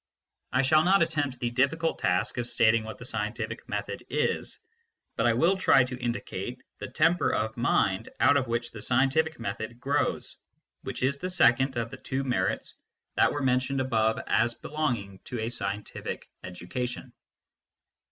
I shall not attempt the difficult task of stating what the scientific method is, but I will try to indicate the temper of mind out of which the scientific method grows, which is the second of the two merits that were mentioned above as belonging to a scientific education.